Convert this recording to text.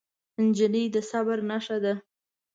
نجلۍ د صبر نښه ده.